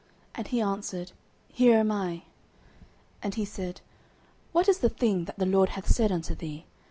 And he answered, Here am I. 09:003:017 And he said, What is the thing that the LORD hath said unto thee?